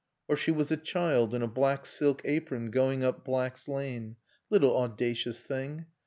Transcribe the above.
Or she was a child in a black silk apron going up Black's Lane. Little audacious thing.